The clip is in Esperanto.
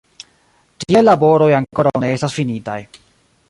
Tiaj laboroj ankoraŭ ne estas finitaj.